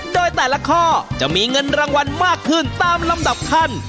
โดยแต่ละข้อจะมีเงินรางวัลมากขึ้นตามลำดับขั้น